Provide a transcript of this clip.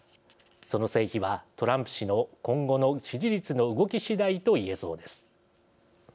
その成否は、トランプ氏の今後の支持率の動き次第と言えそうです。